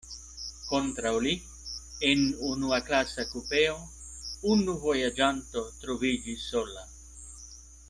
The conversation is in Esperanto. Kontraŭ li, en unuaklasa kupeo, unu vojaĝanto troviĝis sola.